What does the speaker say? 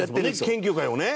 研究会をね。